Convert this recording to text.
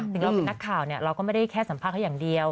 ถึงเราเป็นนักข่าวเราก็ไม่ได้แค่สัมภาษณ์เขาอย่างเดียว